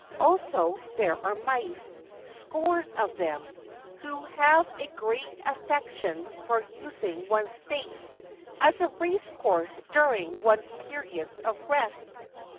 Also there are mice, scores of them, who have a great affection for using one's face as a racecourse during one's periods of rest.